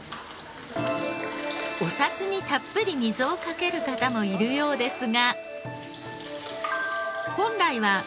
お札にたっぷり水をかける方もいるようですが。